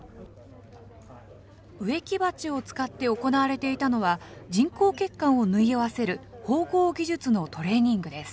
植木鉢を使って行われていたのは、人工血管を縫い合わせる縫合技術のトレーニングです。